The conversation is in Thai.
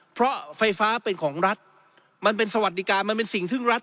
เพราะไฟฟ้าเป็นของรัฐมันเป็นสวัสดิการมันเป็นสิ่งซึ่งรัฐ